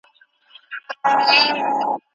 د فردي ملکیت حق فطري غریزه ده.